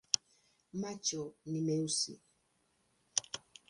Macho ni meusi.